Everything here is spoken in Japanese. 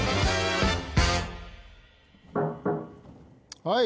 ・はい。